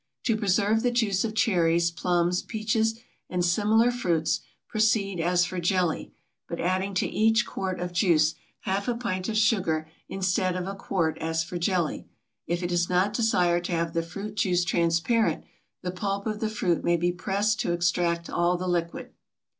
To preserve the juice of cherries, plums, peaches, and similar fruits, proceed as for jelly, but adding to each quart of juice half a pint of sugar instead of a quart as for jelly. If it is not desired to have the fruit juice transparent, the pulp of the fruit may be pressed to extract all the liquid.